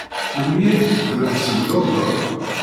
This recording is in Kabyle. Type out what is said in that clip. Melmi ay d-teqqlem seg London?